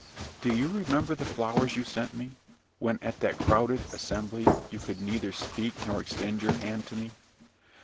"Do you remember the flowers you sent me, when, at that crowded assembly, you could neither speak nor extend your hand to me?